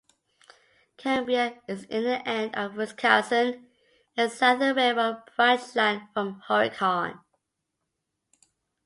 Cambria is in the end of a Wisconsin and Southern Railroad branchline from Horicon.